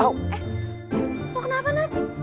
eh lo kenapa nath